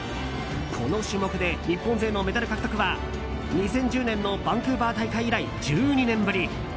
この種目で日本勢のメダル獲得は２０１０年のバンクーバー大会以来１２年ぶり。